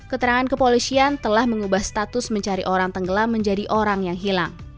keterangan kepolisian telah mengubah status mencari orang tenggelam menjadi orang yang hilang